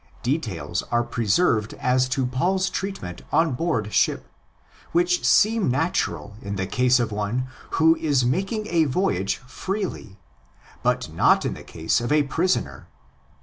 Details are preserved as to Paul's treatment on board ship, which seem natural in the case of one who is making a voyage freely, but not in the case of a prisoner.